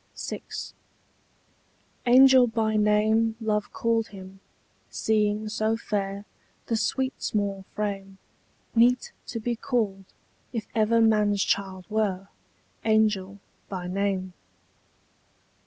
VI. Angel by name love called him, seeing so fair The sweet small frame; Meet to be called, if ever man's child were, Angel by name.